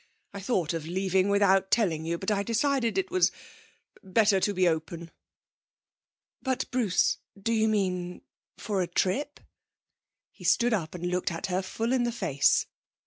I thought of leaving without telling you, but I decided it was better to be open.' 'But, Bruce, do you mean for a trip?' He stood up and looked at her full in the face.